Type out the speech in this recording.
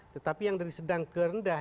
tetapi yang dari sedang ke rendah